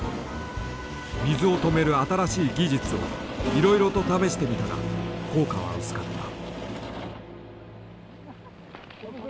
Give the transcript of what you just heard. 水を止める新しい技術をいろいろと試してみたが効果は薄かった。